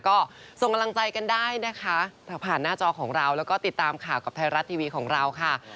ก็ส่งกำลังใจกันได้นะคะผ่านหน้าจอของเราแล้วก็ติดตามข่าวกับไทยรัฐทีวีของเราค่ะ